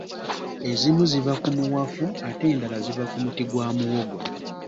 Ezimu ziva ku muwafu ate endala ziva ku muti gwa muwogo.